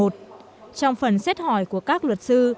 trong phần xét hỏi của các luật sư